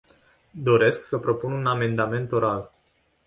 Doresc să propun un amendament oral.